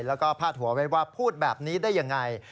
แล้วก็พาดหัวไว้ว่าพูดแบบนี้ได้ยังไง